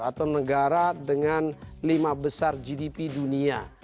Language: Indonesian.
atau negara dengan lima besar gdp dunia